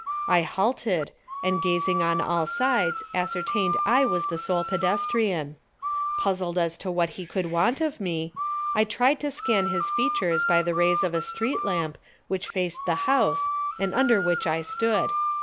I halted, and gazing on all sides ascertained I was the sole pedestrian. Puzzled as to what he could want of me, I tried to scan his features by the rays of a street lamp which faced the house and under which I stood.